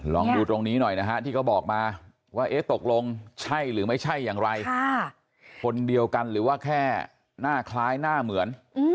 ลองดูตรงนี้หน่อยนะฮะที่เขาบอกมาว่าเอ๊ะตกลงใช่หรือไม่ใช่อย่างไรคนเดียวกันหรือว่าแค่หน้าคล้ายหน้าเหมือน